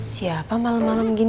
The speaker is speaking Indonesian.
sampai jumpa lagi